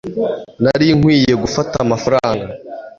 nari nkwiye gufata amafaranga